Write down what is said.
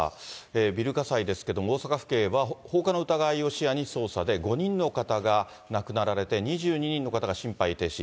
ビル火災ですけれども、大阪府警は放火の疑いを視野に捜査で、５人の方が亡くなられて、２２人の方が心肺停止。